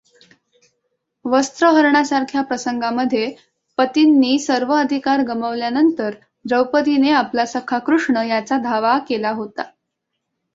वस्त्रहरणासारख्या प्रसंगामधे पतींनी सर्व अधिकार गमावल्यानंतर द्रौपदीने आपला सखा कृष्ण याचा धावा केला होता.